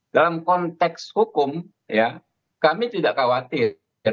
dalam konteks hukum kami tidak khawatir